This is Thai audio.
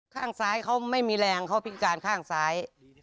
ข้างซ้ายเขาไม่มีแรงเขาพิการข้างซ้าย